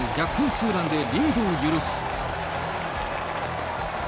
ツーランでリードを許す。